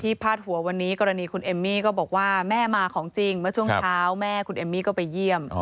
พาดหัววันนี้กรณีคุณเอมมี่ก็บอกว่าแม่มาของจริงเมื่อช่วงเช้าแม่คุณเอมมี่ก็ไปเยี่ยม